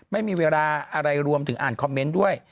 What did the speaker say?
ไม่มีเวลาอะไรรวมถึงอ่านคอมเมนต์ด้วย